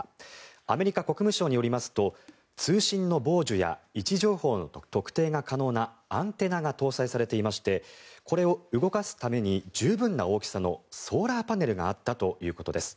アメリカ国務省によりますと通信の傍受や位置情報の特定が可能なアンテナが搭載されていましてこれを動かすために十分な大きさのソーラーパネルがあったということです。